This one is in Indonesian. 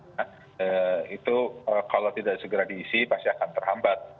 nah itu kalau tidak segera diisi pasti akan terhambat